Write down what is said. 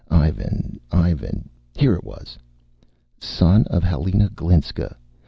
Ivan, Ivan here it was. Son of Helena Glinska ...